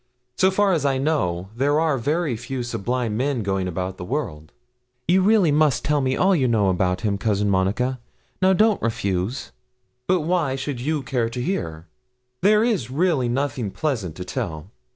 So far as I know, there are very few sublime men going about the world.' 'You really must tell me all you know about him, Cousin Monica. Now don't refuse.' 'But why should you care to hear? There is really nothing pleasant to tell.'